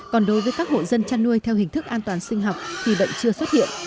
còn đối với các hộ dân chăn nuôi theo hình thức an toàn sinh học thì bệnh chưa xuất hiện